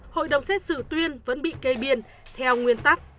hội đồng xét xử tuyên vẫn bị cây biên theo nguyên tắc